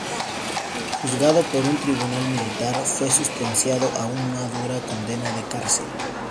Juzgado por un tribunal militar, fue sentenciado a una dura condena de cárcel.